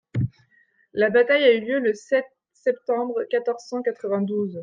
La bataille a eu lieu le sept septembre quatorze cent quatre-vingt-douze.